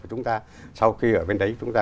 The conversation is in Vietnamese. chúng ta sau khi ở bên đấy chúng ta